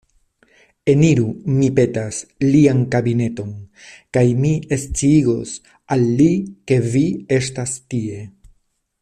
Eniru, mi petas, lian kabineton, kaj mi sciigos al li, ke vi estas tie.